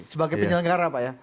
sebagai penyelenggara pak ya